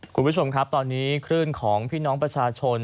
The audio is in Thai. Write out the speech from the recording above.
คุณผู้ชมครับตอนนี้คลื่นของพี่น้องประชาชน